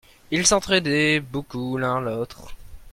Ils s'entraidaient beaucoup l'un l'autre.